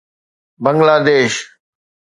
Bangla Desh